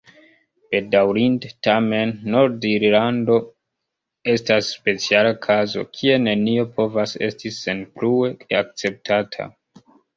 Bedaŭrinde, tamen, Nord-Irlando estas speciala kazo, kie nenio povas esti senplue akceptata.